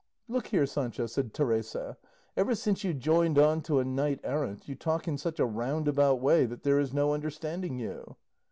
"Look here, Sancho," said Teresa; "ever since you joined on to a knight errant you talk in such a roundabout way that there is no understanding you."